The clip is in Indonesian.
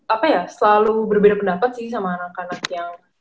apa ya selalu berbeda pendapat sih sama anak anak yang